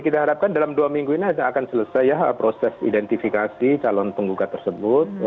kita harapkan dalam dua minggu ini akan selesai ya proses identifikasi calon penggugat tersebut